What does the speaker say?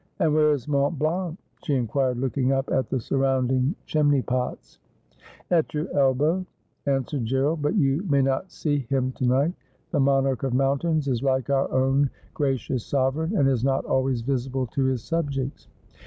' And where is Mont Blanc ?' she inquired, looking up at the surrounding chimney pots. ' At your elbow,' answered Gerald ;' but you may not see him to night. The monarch of mountains is like our own gra cious sovereign, and is not always visible to his subjects.'